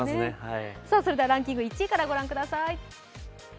それではランキング１位からご覧ください。